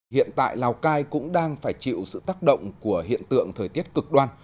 hiện tại lào cai cũng đang phải chịu sự tác động của hiện tượng thời tiết cực đoan